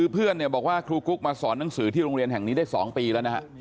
เพื่อนบอกว่าครูกุ๊กมาสอนหนังสือที่โรงเรียนแห่งนี้ได้๒ปีแล้วนะฮะ